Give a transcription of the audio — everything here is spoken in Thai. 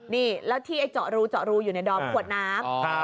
นี่แล้วที่ไอ้เจาะรูเจาะรูอยู่ในดอมขวดน้ำ